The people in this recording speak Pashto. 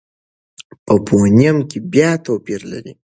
په فونېم کې بیا توپیر لري.